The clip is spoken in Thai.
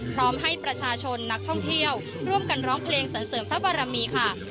พร้อมให้ประชาชนนักท่องเที่ยวร่วมกันร้องเพลงสรรเสริมพระบารมีค่ะ